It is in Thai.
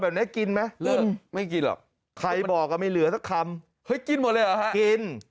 เฮ้ยกินหมดเลยหรือครับกิน